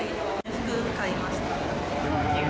服買いました。